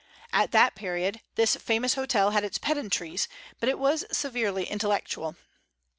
At that period this famous hotel had its pedantries, but it was severely intellectual.